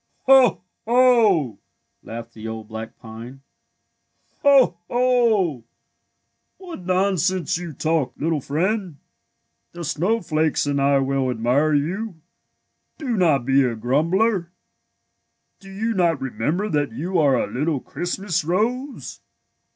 "Ho! Ho! " laughed the old black pine. '^ Ho! Ho! What nonsense you talk, little 118 THE WILD ROSE friend. The snowflakes and I will admire you. Do not be a grumbler. Do you not remember that you are a little Christmas rose?